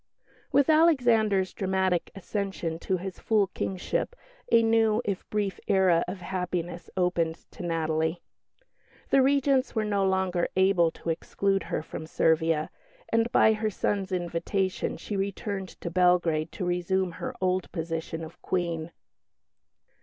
With Alexander's dramatic accession to his full Kingship a new, if brief, era of happiness opened to Natalie. The Regents were no longer able to exclude her from Servia, and by her son's invitation she returned to Belgrade to resume her old position of Queen.